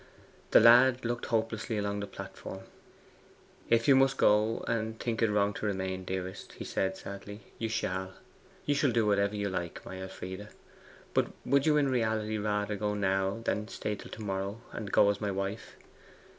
The lad looked hopelessly along the platform. 'If you must go, and think it wrong to remain, dearest,' said he sadly, 'you shall. You shall do whatever you like, my Elfride. But would you in reality rather go now than stay till to morrow, and go as my wife?